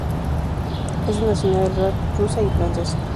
Es de nacionalidad rusa y francesa.